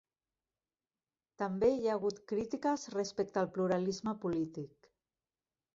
També hi ha hagut crítiques respecte al pluralisme polític.